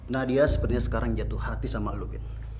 nadia sepertinya sekarang jatuh hati sama lo bin